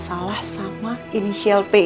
dida kebuka lider besar